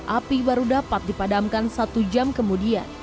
api baru dapat dipadamkan satu jam kemudian